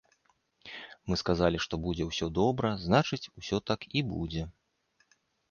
Мы сказалі, што будзе ўсё добра, значыць усё так і будзе!